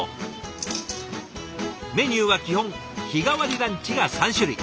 メニューは基本日替わりランチが３種類。